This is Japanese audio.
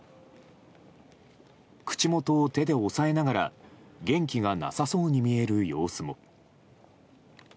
口元を手で押さえながら元気がなさそうに見える様子も。